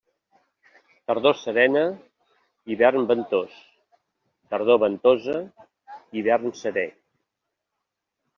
Tardor serena, hivern ventós; tardor ventosa, hivern seré.